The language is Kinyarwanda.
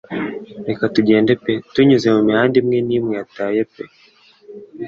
Reka tugende pe tunyuze mumihanda imwe n'imwe yataye pe